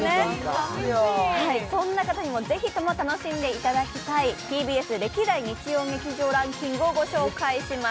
そんな方にも是非とも楽しんでいただきたい、ＴＢＳ歴代日曜劇場ランキングをご紹介します。